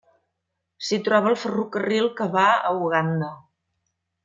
S'hi troba el ferrocarril que va a Uganda.